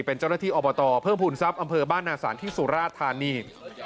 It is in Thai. เป็นเจ้าหน้าที่อบตเพิ่มภูมิทรัพย์อำเภอบ้านนาศาลที่สุราธานี